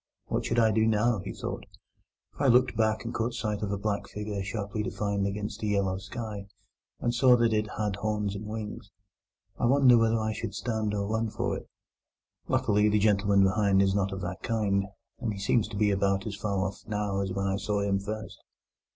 "What should I do now," he thought, "if I looked back and caught sight of a black figure sharply defined against the yellow sky, and saw that it had horns and wings? I wonder whether I should stand or run for it. Luckily, the gentleman behind is not of that kind, and he seems to be about as far off now as when I saw him first.